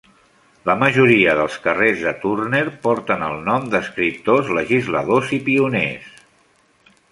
La majoria dels carrers de Turner porten el nom d'escriptors, legisladors i pioners.